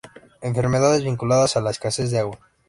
Enfermedades vinculadas a la escasez de agua.